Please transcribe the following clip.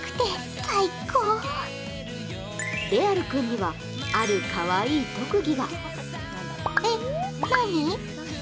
れある君にはあるかわいい特技が。